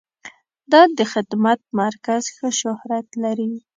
دا د خدمت مرکز ښه شهرت لري.